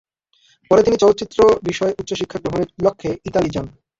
পরে তিনি চলচ্চিত্র বিষয়ে উচ্চশিক্ষা গ্রহণের লক্ষ্যে ইতালি যান।